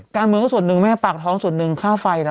การเมืองก็ส่วนหนึ่งแม่ปากท้องส่วนหนึ่งค่าไฟนะ